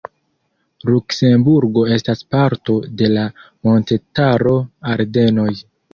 Luksemburgo estas parto de la montetaro Ardenoj.